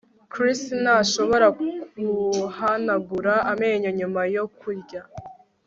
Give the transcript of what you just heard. Chris ntashobora guhanagura amenyo nyuma yo kurya